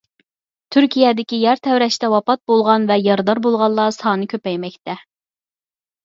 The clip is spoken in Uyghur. تۈركىيەدىكى يەر تەۋرەشتە ۋاپات بولغان ۋە يارىدار بولغانلار سانى كۆپەيمەكتە.